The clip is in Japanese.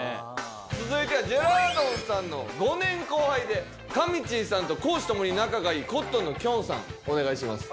続いてはジェラードンさんの５年後輩でかみちぃさんと公私共に仲がいいコットンのきょんさんお願いします。